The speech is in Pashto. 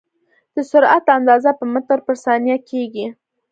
د سرعت اندازه په متر پر ثانیه کېږي.